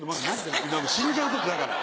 死んじゃうぞってだから。